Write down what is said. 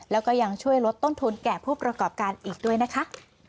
แล้วก็ยังช่วยลดต้นทุนแก่ผู้ประกอบการอีกด้วยนะคะ